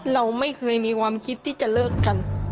เราไม่เคยมีความคิดที่จะเลิกกัน